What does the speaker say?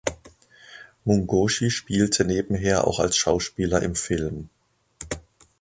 Mungoshi spielte nebenher auch als Schauspieler im Film.